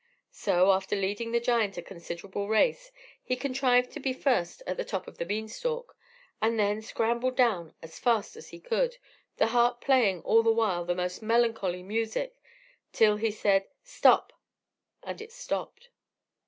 So, after leading the giant a considerable race, he contrived to be first at the top of the bean stalk, and then scrambled down it as fast as he could, the harp playing all the while the most melancholy music till he said, "Stop," and it stopped.